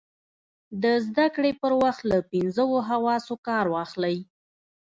د زده کړې پر وخت له پینځو حواسو کار واخلئ.